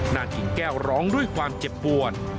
กิ่งแก้วร้องด้วยความเจ็บปวด